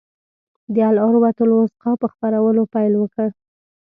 د العروة الوثقی په خپرولو پیل وکړ.